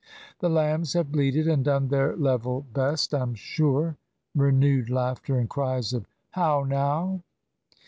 "The lambs have bleated and done their level best, I'm sure," (renewed laughter, and cries of "How now?").